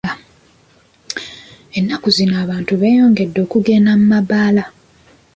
Ennaku zino abantu beyongedde okugennda mu mabbaala .